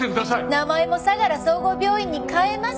名前も相良総合病院に変えます。